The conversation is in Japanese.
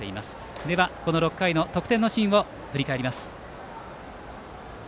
では、６回の得点シーンを振り返ります。